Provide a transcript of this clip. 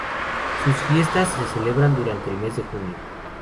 Sus fiestas se celebran durante el mes de junio.